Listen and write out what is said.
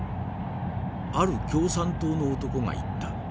ある共産党の男が言った。